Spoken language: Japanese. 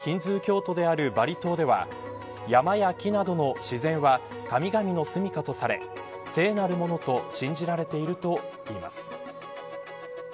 島民の多くがヒンズー教徒であるバリ島では山や木などの自然は神々のすみかとされ聖なるものと信じられているといいます。